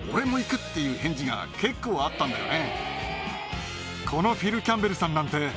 っていう返事が結構あったんだよね。